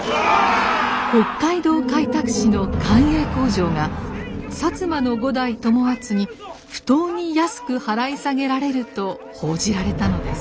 北海道開拓使の官営工場が摩の五代友厚に不当に安く払い下げられると報じられたのです。